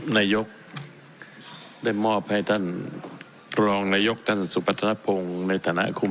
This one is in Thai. นายกได้มอบให้ท่านรองนายกท่านสุพัฒนภงในฐานะคุม